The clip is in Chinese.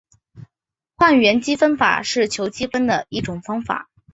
换元积分法是求积分的一种方法。